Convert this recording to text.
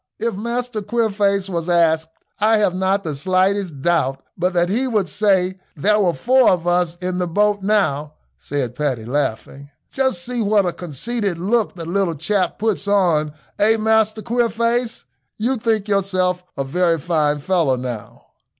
"If Master Queerface was asked, I have not the slightest doubt but that he would say there were four of us in the boat now," said Paddy, laughing. "Just see what a conceited look the little chap puts on; eh, Master Queerface, you think yourself a very fine fellow now."